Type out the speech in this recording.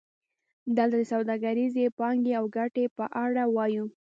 دلته د سوداګریزې پانګې او ګټې په اړه وایو